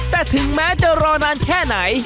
แต่ถึงแม้จะรอนานแค่ไหน